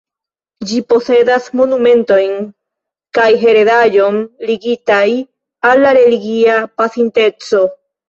Ĝi posedas monumentojn kaj heredaĵon ligitaj al la religia pasinteco.